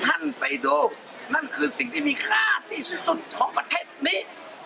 ท่านไปดูนั่นคือสิ่งที่มีค่าที่สุดของประเทศนี้